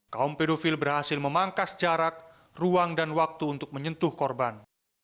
kaum pedofil berhasil memangkas jarak ruang dan waktu untuk menyentuh korban